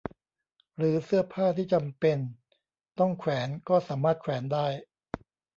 หรือเสื้อผ้าที่จำเป็นต้องแขวนก็สามารถแขวนได้